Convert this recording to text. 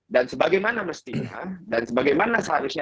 dan sebagaimana mestinya dan sebagaimana seharusnya